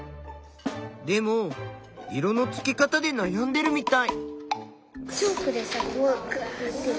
でも色のつけ方でなやんでるみたい。